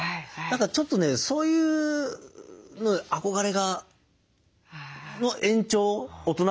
何かちょっとねそういう憧れがの延長大人版がそれ